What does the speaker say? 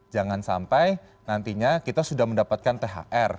jangan sampai nantinya kita sudah mendapatkan thr